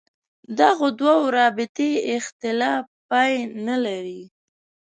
دغو دوو رابطې اختلاف پای نه لري.